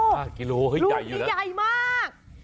ลูกนี้ใหญ่มาก